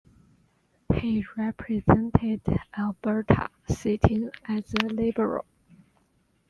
He represented Alberta, sitting as a Liberal.